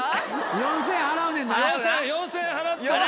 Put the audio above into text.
４０００円払ったら？